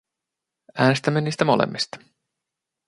Äänestämme niistä molemmista.